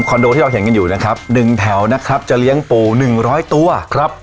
โดที่เราเห็นกันอยู่นะครับหนึ่งแถวนะครับจะเลี้ยงปูหนึ่งร้อยตัวครับ